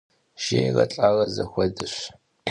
Jjêyre lh'are zexuedeş.